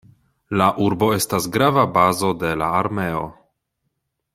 La urbo estas grava bazo de la armeo.